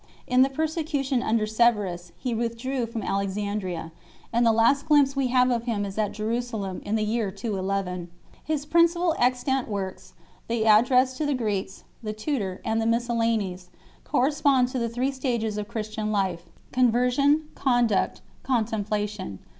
In the persecution under Severus he withdrew from Alexan dria, and the last glimpse we have of him is at Jerusalem in the year 211. His principal extant works the Ad dress to the Greeks/ the Tutor/ and the Miscellanies correspond to the three stages of Christian life, conversion, conduct, contemplation.